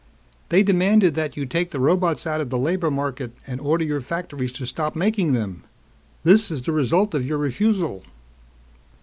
"They demanded that you take the robots out of the labor market and order your factories to stop making them. This is the result of your refusal."